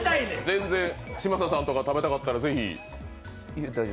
全然、嶋佐さんとか食べたかったらぜひ。